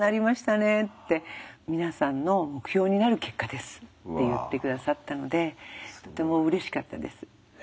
「皆さんの目標になる結果です」って言って下さったのでとてもうれしかったです。